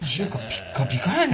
ピッカピカやね。